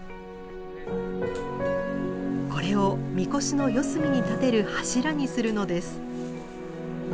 これを神輿の四隅に立てる柱にするのです。